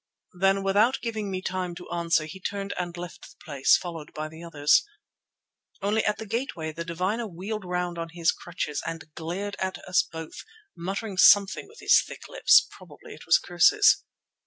Then, without giving me time to answer, he turned and left the place, followed by the others. Only at the gateway the diviner wheeled round on his crutches and glared at us both, muttering something with his thick lips; probably it was curses.